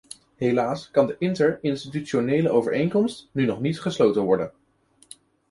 Helaas kan de interinstitutionele overeenkomst nu nog niet gesloten worden.